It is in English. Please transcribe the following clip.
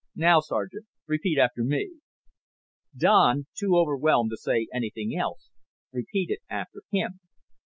"Now, Sergeant, repeat after me...." Don, too overwhelmed to say anything else, repeated after him.